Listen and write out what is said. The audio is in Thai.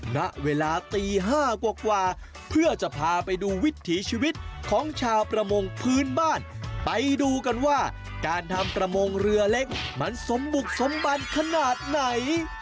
ณเวลาตี๕กว่าเพื่อจะพาไปดูวิถีชีวิตของชาวประมงพื้นบ้านไปดูกันว่าการทำประมงเรือเล็กมันสมบุกสมบัติขนาดไหน